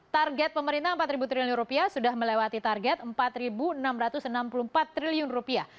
target pemerintah empat triliun rupiah sudah melewati target empat enam ratus enam puluh empat triliun rupiah